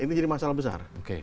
ini jadi masalah besar